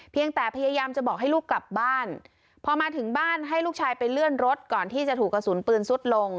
ยังแต่พยายามจะบอกให้ลูกกลับบ้านพอมาถึงบ้านให้ลูกชายไปเลื่อนรถก่อนที่จะถูกกระสุนปืนซุดลง